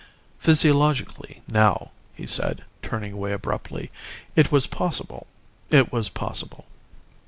"Physiologically, now," he said, turning away abruptly, "it was possible. It was possible."